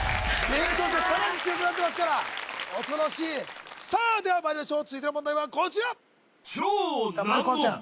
勉強してさらに強くなってますから恐ろしいさあではまいりましょう続いての問題はこちら頑張れ河野ちゃん